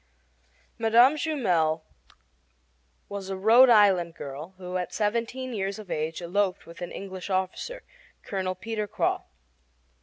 Mme. Jumel was a Rhode Island girl who at seventeen years of age eloped with an English officer, Colonel Peter Croix.